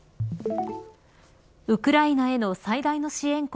ウクライナへの最大の支援国